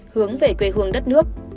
hướng về quê hương đất nước